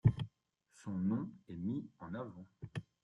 Son nom est mis en avant.